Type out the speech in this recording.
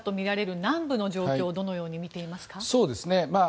特殊部隊投入したとされる南部の状況をどのように見ていますか？